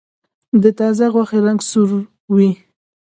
د تازه غوښې رنګ سور وي.